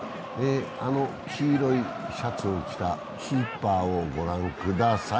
黄色いシャツを着たキーパーをご覧ください。